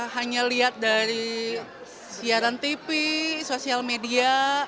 hanya lihat dari siaran tv sosial media